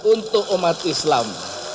untuk umat islam